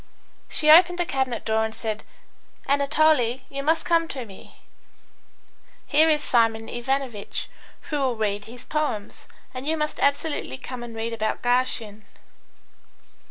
She opened the cabinet door and said, "Anatole, you must come to me. Here is Simeon Ivanovitch, who will read his poems, and you must absolutely come and read about Garshin."